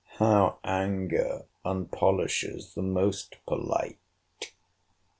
—How anger unpolishes the most polite!